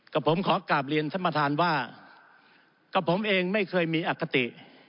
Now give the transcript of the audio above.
กับผมขอกลับเรียนท่านประธานว่ากับผมเองไม่เคยมีอคติ